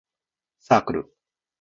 サークル